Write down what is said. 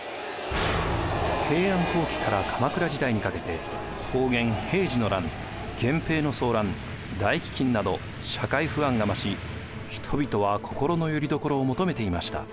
平安後期から鎌倉時代にかけて保元・平治の乱源平の争乱大飢饉など社会不安が増し人々は心のよりどころを求めていました。